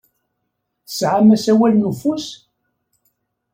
Tesɛam asawal n ufus?